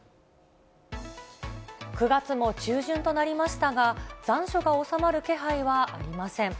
９月も中旬となりましたが、残暑が収まる気配はありません。